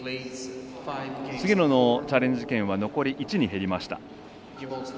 菅野のチャレンジ権は残り１に減りました。